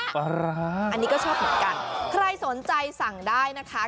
ปลาร้าอันนี้ก็ชอบเหมือนกันใครสนใจสั่งได้นะคะ